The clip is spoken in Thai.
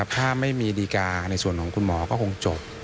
ถ้าไม่มีดีการ์ในส่วนของคุณหมอก็คงจบ